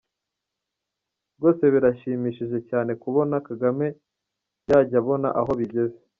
Rwose birashimishije cyane kubona Kagame yajya yabona aho bigeze!